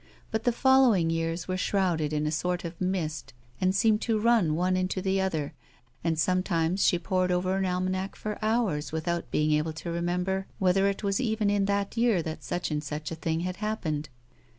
But the following years were shrouded in a sort of mist and seemed to run one into the other, and sometimes she pored over an almanac for hours without being able to remember whether it was even in that year that such and such a thing had happened.